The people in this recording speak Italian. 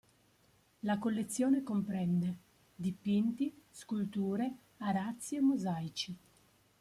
La collezione comprende: dipinti, sculture, arazzi e mosaici.